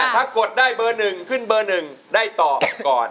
ถ้ากดได้เบอร์๑ขึ้นเบอร์๑ได้ตอบก่อน